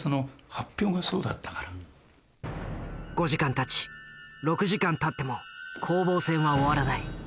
５時間たち６時間たっても攻防戦は終わらない。